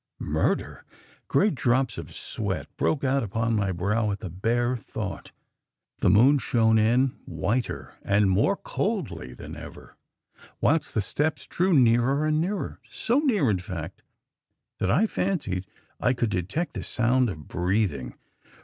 "MURDER! Great drops of sweat broke out upon my brow at the bare thought. "The moon shone in, whiter and more coldly than ever, whilst the steps drew nearer and nearer so near, in fact, that I fancied I could detect the sound of breathing.